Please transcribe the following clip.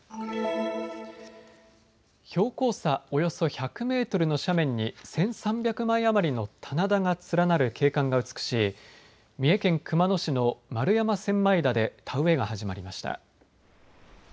標高差およそ１００メートルの斜面に１３００枚余りの棚田が連なる景観が美しい三重県熊野市の丸山千枚田で田植えが始まりました。